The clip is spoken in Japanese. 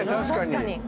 確かに。